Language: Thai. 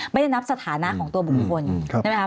ไม่ได้นับสถานะของตัวบุคคลใช่ไหมครับ